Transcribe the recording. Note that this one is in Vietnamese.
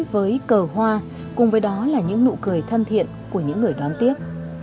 với cờ hoa cùng với đó là những nụ cười thân thiện của những người đón tiếp